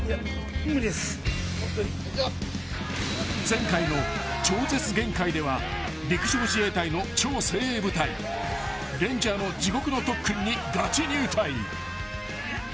［前回の『超絶限界』では陸上自衛隊の超精鋭部隊レンジャーの地獄の特訓にがち入隊］